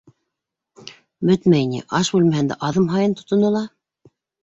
Бөтмәй ни, аш бүлмәһендә аҙым һайын тотонола.